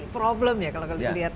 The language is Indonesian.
problem ya kalau kalian lihat